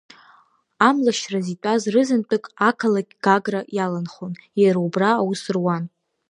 Амлашьраз итәаз рызынтәык ақалақь Гагра иаланхон, иара убра аус руан.